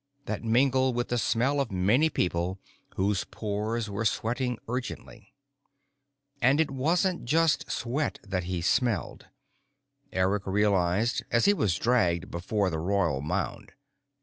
that mingled with the smell of many people whose pores were sweating urgency. And it wasn't just sweat that he smelled. Eric realized as he was dragged before the Royal Mound.